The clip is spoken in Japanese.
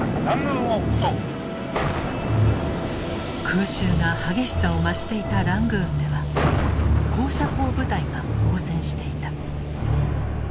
空襲が激しさを増していたラングーンでは高射砲部隊が応戦していた。